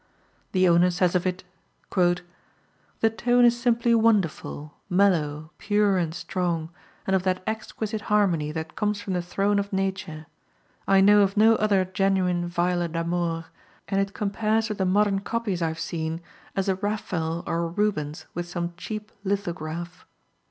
The owner says of it: "The tone is simply wonderful, mellow, pure and strong, and of that exquisite harmony that comes from the throne of Nature. I know of no other genuine viola d'amore, and it compares with the modern copies I have seen as a Raphael or a Rubens with some cheap lithograph."